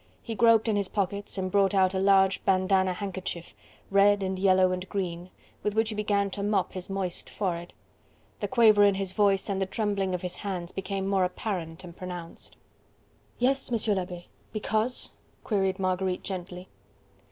He groped in his pockets and brought out a large bandana handkerchief, red and yellow and green, with which he began to mop his moist forehead. The quaver in his voice and the trembling of his hands became more apparent and pronounced. "Yes, M. l'Abbe? Because?..." queried Marguerite gently.